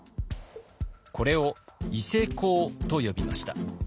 これを伊勢講と呼びました。